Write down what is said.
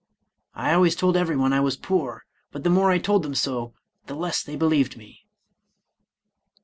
I always told everyone I was poor, but the more I told them so, the less they be lieved me."